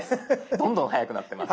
どんどん早くなってます。